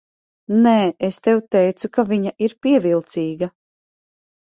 Nē, es tev teicu, ka viņa ir pievilcīga.